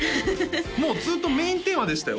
もうずっとメインテーマでしたよ